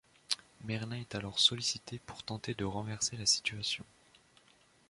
Merlin est alors sollicité pour tenter de renverser la situation.